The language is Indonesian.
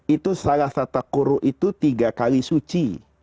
itu salatata quru itu tiga kali suci